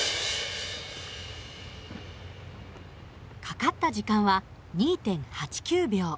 かかった時間は２．８９秒。